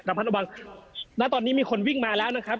พัดระวังณตอนนี้มีคนวิ่งมาแล้วนะครับ